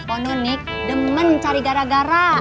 poh nunik demen cari gara gara